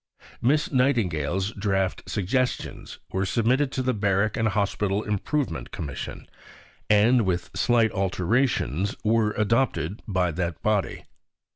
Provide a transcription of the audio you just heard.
Miss Nightingale's draft "Suggestions" were submitted to the Barrack and Hospital Improvement Commission, and with slight alterations were adopted by that body.